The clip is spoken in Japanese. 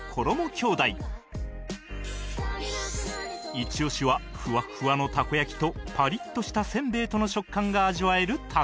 イチオシはふわっふわのたこ焼きとパリッとしたせんべいとの食感が味わえるたこせん